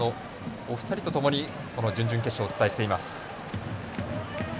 お二人とともに準々決勝をお伝えしています。